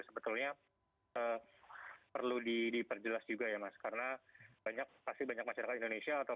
sebetulnya perlu diperjelas juga ya mas karena banyak pasti banyak masyarakat indonesia atau